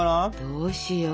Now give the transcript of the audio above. どうしよう。